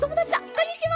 こんにちは！